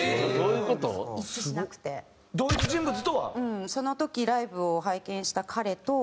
うんその時ライブを拝見した彼と。